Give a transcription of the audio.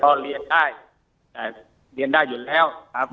พอเรียนได้แต่เรียนได้อยู่แล้ว